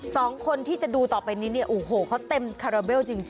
สองคนที่จะดูต่อไปนี้เนี่ยโอ้โหเขาเต็มคาราเบลจริง